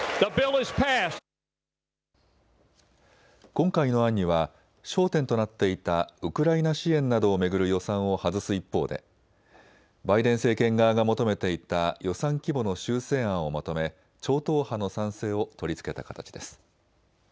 今回の案には焦点となっていたウクライナ支援などを巡る予算を外す一方でバイデン政権側が求めていた予算規模の修正案をまとめ超党派の賛成を取り付けた形です。